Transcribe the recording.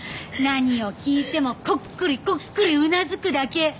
何を聞いてもこっくりこっくりうなずくだけ。